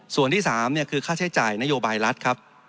ส่วนที่๓คือค่าใช้จ่ายนโยบายรัฐครับ